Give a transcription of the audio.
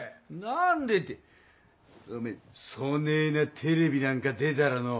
何でっておめぇそねぇなテレビなんか出たらのう。